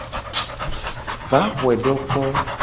Va xoe do kpo.